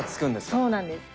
そうなんです。